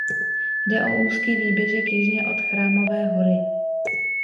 Jde o úzký výběžek jižně od Chrámové hory.